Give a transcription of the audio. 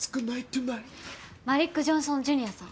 マリック・ジョンソンＪｒ．さん。